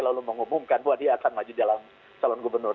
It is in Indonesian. lalu mengumumkan bahwa dia akan maju dalam calon gubernur